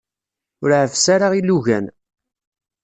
Ur ɛeffes ara ilugan.